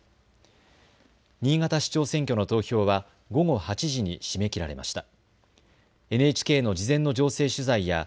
新潟市長選挙の投票は午後８時に締め切られました。